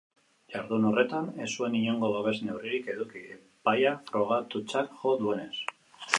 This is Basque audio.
Jardun horretan ez zuen inongo babes neurririk eduki, epaiak frogatutzat jo duenez.